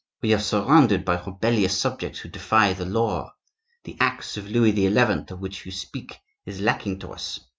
We are surrounded by rebellious subjects who defy the law. The axe of Louis XI. of which you speak, is lacking to us.